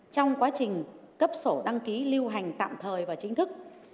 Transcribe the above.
trong quá trình cấp sổ đăng ký lưu hành tạm thời và chính thức